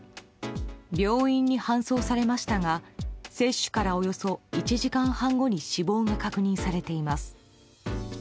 病院に搬送されましたが接種から、およそ１時間半後に死亡が確認されています。